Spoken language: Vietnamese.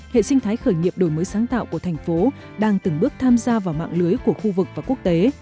hệ sinh thái khởi nghiệp đổi mới sáng tạo của thành phố đang từng bước tham gia vào mạng lưới của khu vực và quốc tế